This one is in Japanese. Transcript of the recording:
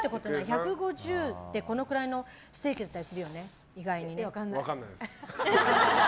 １５０ってこのくらいのステーキだったりするよね、意外に。